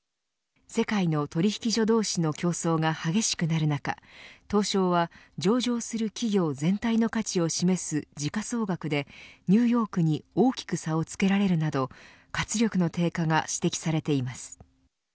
世界の取引所同士の競争が激しくなる中、東証は上場する企業全体の価値を示す時価総額でニューヨークに大きく差をつけられるなど活力の低下が指摘されています。